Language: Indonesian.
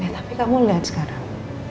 tapi kamu lihat sekarang